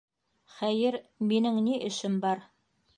Хәйер, минең ни эшем бар?